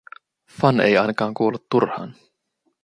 Fan ei ainakaan kuollut turhaan.